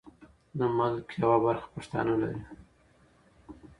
د ملک یوه برخه پښتانه لري.